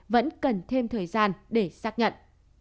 vẫn cần thêm thời gian để xác nhận